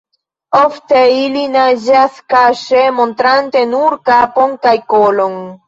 Ofte ili naĝas kaŝe montrante nur kapon kaj kolon.